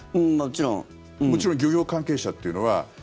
もちろん漁業関係者っていうのは。